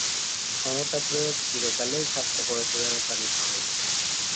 ক্ষমতাপ্রয়োগ চিরকালেই স্বার্থপরতা দ্বারা চালিত হয়।